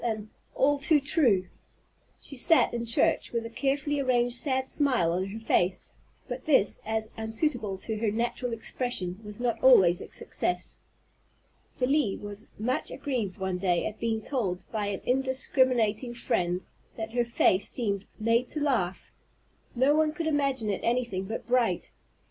and "All too true!" She sat in church with a carefully arranged sad smile on her face; but this, as unsuitable to her natural expression, was not always a success. Felie was much aggrieved one day at being told, by an indiscriminating friend, that her face "seemed made to laugh, no one could imagine it anything but bright."